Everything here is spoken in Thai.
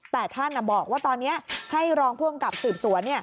แต่ท่านบอกว่าตอนนี้ให้รองผู้อำกับสืบสวน